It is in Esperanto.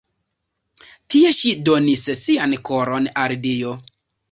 Tie ŝi donis sian koron al Dio.